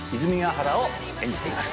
原を演じています。